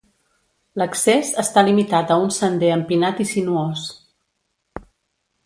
L'accés està limitat a un sender empinat i sinuós.